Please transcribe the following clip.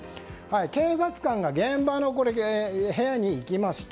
警察官が現場の部屋に行きました。